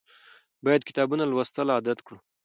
باید کتابونه لوستل عادت کړو.